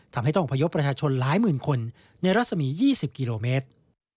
ทำให้ต้องพยพประชาชนหลายหมื่นคนในรัศมี๒๐กิโลเมตร